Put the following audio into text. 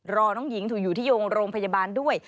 รอน้องหญิงถูกอยู่ที่โรงพยาบาลด้วย